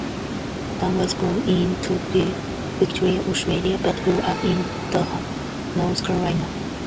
Dunn was born in Torquay, Victoria, Australia but grew up in Durham, North Carolina.